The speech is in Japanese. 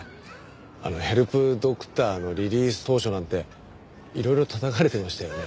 あの「ヘルプドクター」のリリース当初なんていろいろたたかれてましたよね。